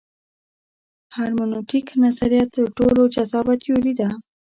هرمنوتیک نظریه تر ټولو جذابه تیوري ده.